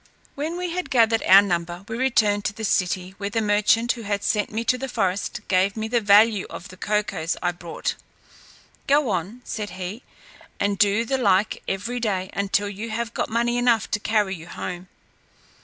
When we had gathered our number, we returned to the city, where the merchant, who had sent me to the forest, gave me the value of the cocoas I brought: "Go on," said he, "and do the like every day, until you have got money enough to carry you home."